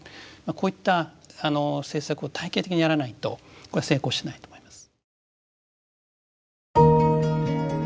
こういった政策を体系的にやらないとこれ成功しないと思います。